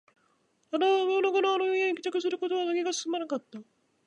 ただ、真夜中にあの家に帰宅することは気が進まなかった